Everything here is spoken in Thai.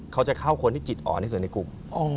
เขาจะเข้าคนที่จิตอ่อนที่สุดในกลุ่ม